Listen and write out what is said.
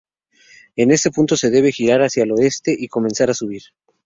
En este punto se debe girar hacia el oeste y comenzar a subir.